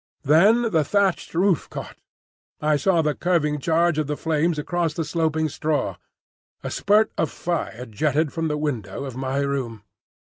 Then the thatched roof caught. I saw the curving charge of the flames across the sloping straw. A spurt of fire jetted from the window of my room.